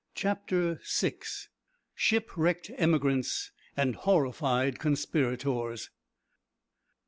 CHAPTER SIX. SHIPWRECKED EMIGRANTS AND HORRIFIED CONSPIRATORS.